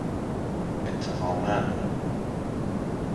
اتهاماً